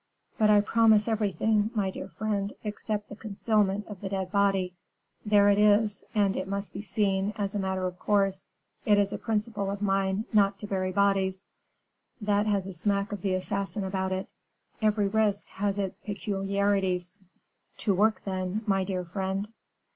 But I promise everything, my dear friend, except the concealment of the dead body. There it is, and it must be seen, as a matter of course. It is a principle of mine, not to bury bodies. That has a smack of the assassin about it. Every risk has its peculiarities." "To work, then, my dear friend."